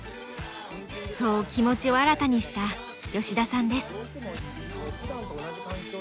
そう気持ちを新たにした吉田さんです。